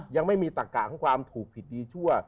ยังไม่มีตักกะของความถูกผิดดีชั่ว